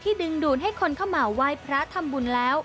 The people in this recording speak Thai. ดึงดูดให้คนเข้ามาไหว้พระทำบุญแล้ว